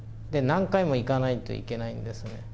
何回も行かないといけないんですね。